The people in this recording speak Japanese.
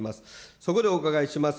そこでお伺いいたします。